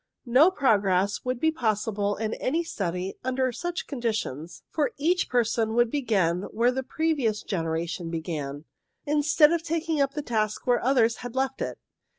No progress would be possible in any study under such conditions, for each person would begin where the previous generation began, instead of taking up the task where others had left it.